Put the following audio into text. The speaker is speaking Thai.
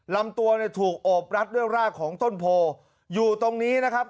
ลำตัวเนี่ยถูกโอบรัดด้วยรากของต้นโพอยู่ตรงนี้นะครับ